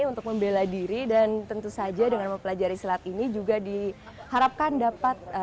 untuk membela diri dan tentu saja dengan mempelajari silat ini juga diharapkan dapat